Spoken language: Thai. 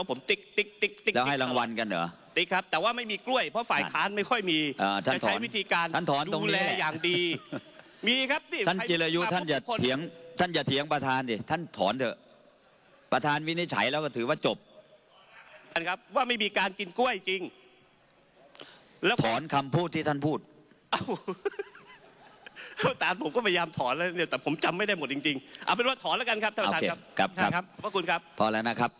ผมติ๊กติ๊กติ๊กติ๊กติ๊กติ๊กติ๊กติ๊กติ๊กติ๊กติ๊กติ๊กติ๊กติ๊กติ๊กติ๊กติ๊กติ๊กติ๊กติ๊กติ๊กติ๊กติ๊กติ๊กติ๊กติ๊กติ๊กติ๊กติ๊กติ๊กติ๊กติ๊กติ๊กติ๊กติ๊กติ๊กติ๊กติ๊กติ๊กติ๊กติ๊กติ๊กติ๊กติ๊ก